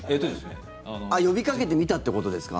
呼びかけてみたってことですか？